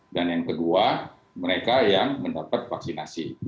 dan yang kedua mereka yang mendapat vaksinasi